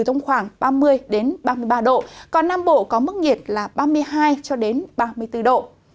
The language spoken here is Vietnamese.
thông khoảng ba mươi ba mươi ba độ còn nam bộ có mức nhiệt là ba mươi hai ba mươi bốn độ